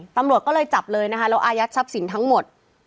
ตำรวจก็เลยจับเลยนะคะแล้วอายัดทรัพย์สินทั้งหมด